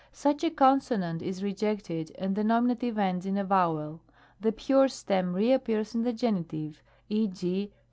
Such a consonant is rejected and the Nom. ends in a vowel. The pure stem reappears in the Gen. ; e. g.